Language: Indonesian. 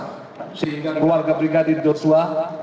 sehingga keluarga brigadir joshua